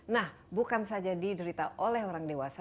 nah bukan saja diderita oleh orang dewasa